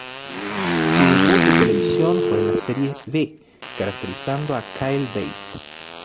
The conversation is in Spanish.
Su debut de televisión fue en la serie "V" caracterizando a "Kyle Bates".